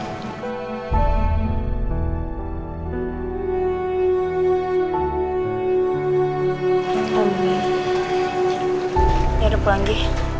aku mau pergi